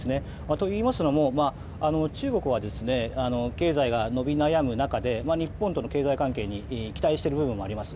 といいますのも中国は経済が伸び悩む中で日本との経済関係に期待している部分があります。